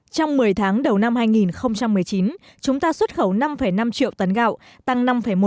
trong một mươi tháng đầu năm hai nghìn một mươi chín chúng ta xuất khẩu năm năm triệu tấn gạo